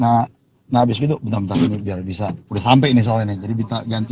nah habis itu bentar bentar ini biar bisa udah sampe ini soalnya nih jadi gantian tir